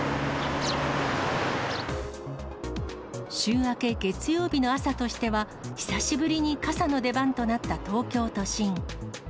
週明け月曜日の朝としては、久しぶりに傘の出番となった東京都心。